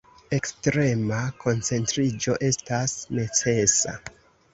Ekstrema koncentriĝo estas necesa.